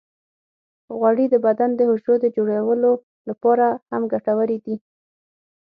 غوړې د بدن د حجرو د جوړولو لپاره هم ګټورې دي.